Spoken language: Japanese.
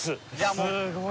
すごい。